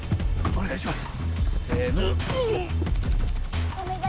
お願いします。